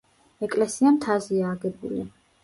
ეკლესია მთაზეა აგებული.